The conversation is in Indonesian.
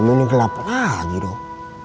malam ini gelap lagi doh